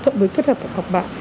cộng với kết hợp với học bạn